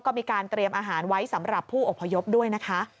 ก็มีการเตรียมอาหารไว้สำหรับผู้อพยพด้วยนะคะ